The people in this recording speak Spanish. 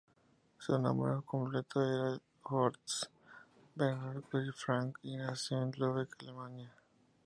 Su nombre completo era Horst Bernhard Wilhelm Frank, y nació en Lübeck, Alemania.